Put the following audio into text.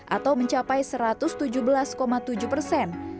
atau mencapai satu ratus tujuh belas tujuh persen